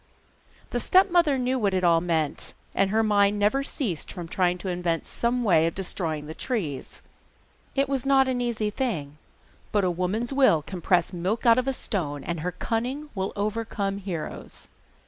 The stepmother knew what it all meant, and her mind never ceased from trying to invent some way of destroying the trees. It was not an easy thing, but a woman's will can press milk out of a stone, and her cunning will overcome heroes.